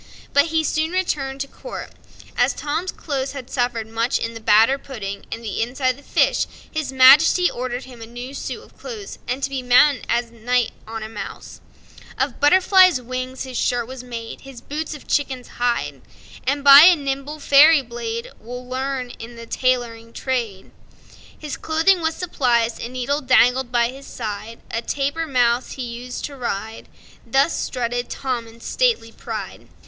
But he soon returned to court. As Tom's clothes had suffered much in the batter pudding and the inside of the fish, his Majesty ordered him a new suit of clothes, and to be mounted as a knight on a mouse. Of Butterfly's wings his shirt was made, His boots of chicken's hide; And by a nimble fairy blade, Well learned in the tailoring trade, His clothing was supplied. A needle dangled by his side; A dapper mouse he used to ride, Thus strutted Tom in stately pride!